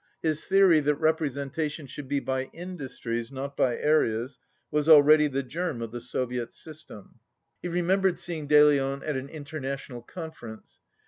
His theory that representation should be by industries, not by areas, was already the germ of the Soviet system. He remembered see ing De Leon at an International Conference.